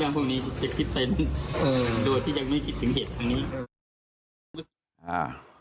ดูติว่าไม่ถึงเหตุครั้งนี้